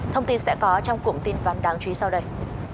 thông tin sẽ có trong cụm tin vắm đáng chú ý sau đây